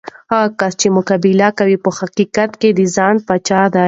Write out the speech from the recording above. هغه کس چې مقابله کوي، په حقیقت کې د ځان پاچا دی.